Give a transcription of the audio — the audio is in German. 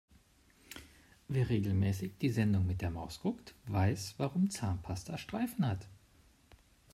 Wer regelmäßig die Sendung mit der Maus guckt, weiß warum Zahnpasta Streifen hat.